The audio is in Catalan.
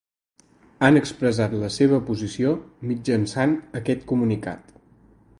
Han expressat la seva posició mitjançant aquest comunicat.